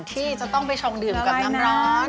ที่จะต้องไปชงดื่มกับน้ำร้อน